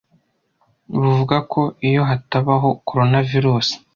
buvuga ko iyo hatabaho Coronavirus,